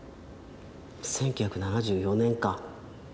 １９７４年か。